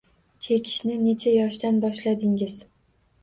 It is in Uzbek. Chekishni necha yoshdan boshladingiz?